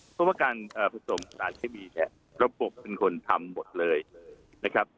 เพราะว่าการผสมสารเคมีเนี่ยระบบเป็นคนทำหมดเลยนะครับ